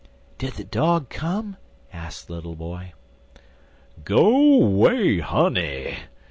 "Did the dog come?" asked the little boy. "Go 'way, honey!"